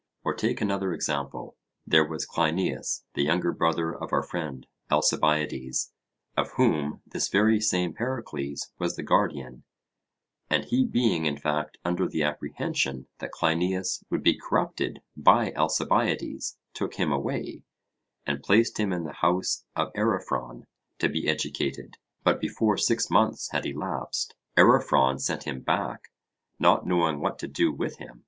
Or take another example: there was Cleinias the younger brother of our friend Alcibiades, of whom this very same Pericles was the guardian; and he being in fact under the apprehension that Cleinias would be corrupted by Alcibiades, took him away, and placed him in the house of Ariphron to be educated; but before six months had elapsed, Ariphron sent him back, not knowing what to do with him.